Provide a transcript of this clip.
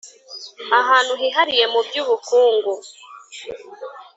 Ahantu hihariye mu by’ubukungu